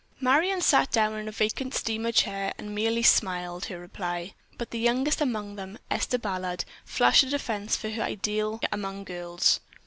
Marion sat down in a vacant steamer chair, and merely smiled her reply, but the youngest among them, Esther Ballard, flashed a defense for her ideal among girls.